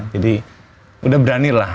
jadi udah berani lah